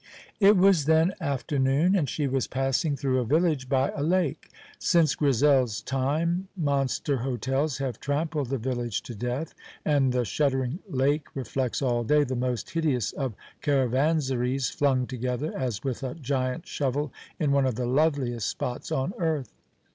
It was then afternoon, and she was passing through a village by a lake. Since Grizel's time monster hotels have trampled the village to death, and the shuddering lake reflects all day the most hideous of caravansaries flung together as with a giant shovel in one of the loveliest spots on earth.